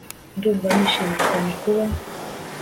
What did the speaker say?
ndumva nishimye cyane kuba